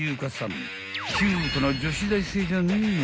［キュートな女子大生じゃねえの］